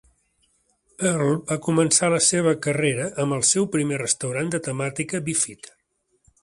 Earl va començar la seva carrera amb el seu primer restaurant de temàtica Beefeater.